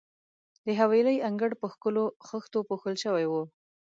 د حویلۍ انګړ په ښکلو خښتو پوښل شوی وو.